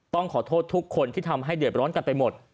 ต้องขอโทษทุกคนที่ทำให้เดือดร้อนกันไปหมด